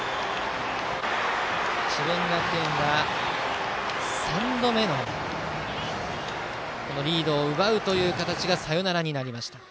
智弁学園は３度目のリードを奪う形がサヨナラになりました。